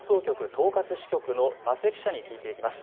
東葛支局の間瀬記者に聞いていきます。